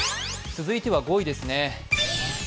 続いては５位です。